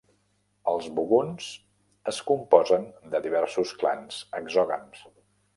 Els buguns es composen de diversos clans exògams.